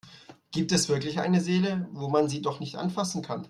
Gibt es wirklich eine Seele, wo man sie doch nicht anfassen kann?